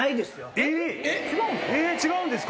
え違うんですか！